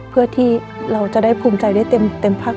เพื่อที่เราจะได้ภูมิใจได้เต็มพัก